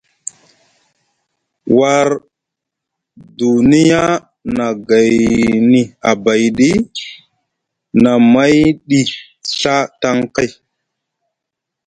War duniya na gayni abayɗi, na mayɗi Ɵa tʼaŋ kay.